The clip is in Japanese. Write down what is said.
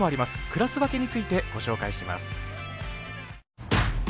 クラス分けについてご紹介します。